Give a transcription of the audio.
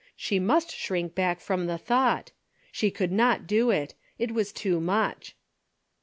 She must shrink back from the thought. She could not do it. It was too much.